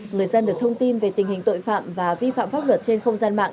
người dân được thông tin về tình hình tội phạm và vi phạm pháp luật trên không gian mạng